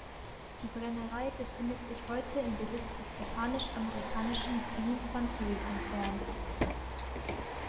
Die Brennerei befindet sich heute in Besitz des japanisch-amerikanischen Beam Suntory-Konzerns.